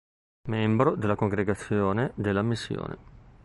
Membro della Congregazione della Missione.